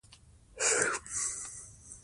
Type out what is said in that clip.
راځئ چې باادبه واوسو.